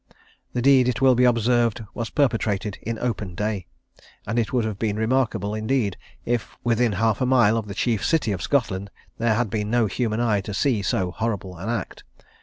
The deed, it will be observed, was perpetrated in open day; and it would have been remarkable, indeed, if, within half a mile of the chief city of Scotland, there had been no human eye to see so horrible an act.